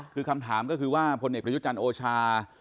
คือคำถามก็คือว่าพลเอกประยุทธ์จันทร์โอชา